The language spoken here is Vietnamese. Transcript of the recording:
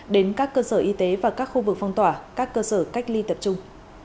đến các cơ sở y tế và các khu vực phong tỏa các cơ sở cách ly tập trung